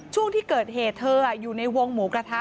ช่วงที่เกิดเหตุเธออยู่ในวงหมูกระทะ